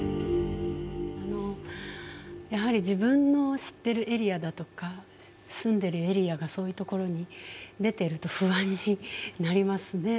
やはり自分の知ってるエリアだとか住んでるエリアがそういうところに出てると不安になりますね。